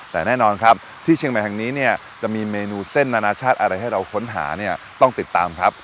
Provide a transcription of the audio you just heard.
แต่แน่นอนครับที่เชียงใหม่แห่งนี้เนี่ยจะมีเมนูเส้นนานาชาติอะไรให้เราค้นหาเนี่ยต้องติดตามครับ